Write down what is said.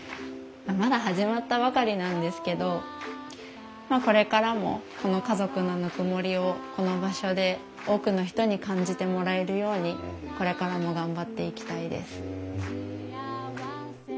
まだ始まったばかりなんですけどこれからもこの家族のぬくもりをこの場所で多くの人に感じてもらえるようにこれからも頑張っていきたいです。